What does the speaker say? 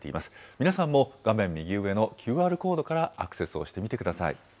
皆さんも画面右上のＱＲコードからアクセスをしてみてください。